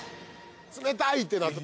「冷たい！」ってなる。